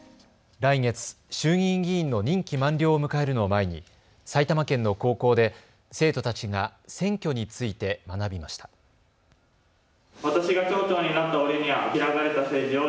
来月、衆議院議員の任期満了を迎えるのを前に埼玉県の高校で生徒たちが選挙について学びました。